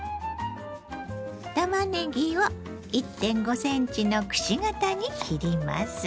たまねぎを１．５ｃｍのくし形に切ります。